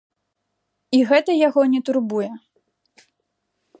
І гэта яго не турбуе.